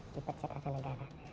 di persiapkan negara